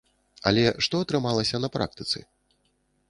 Але што атрымалася на практыцы?